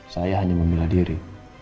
saya hanya memilah diri